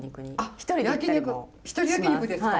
一人焼き肉ですか？